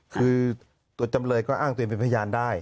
คือตัวจำเลยก็อ้างตัวเองเป็นพยานได้